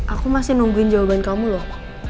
aku masih nungguin jawaban kamu loh